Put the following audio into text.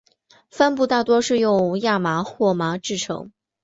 帆布大多是用亚麻或麻制成。